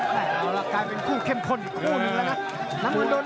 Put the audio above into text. ไม่เอาล่ะกลายเป็นคู่เข้มข้นอีกคู่หนึ่งแล้วนะ